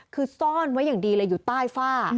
คือซ่อนไว้อย่างดีเลยอยู่ใต้ฝ้า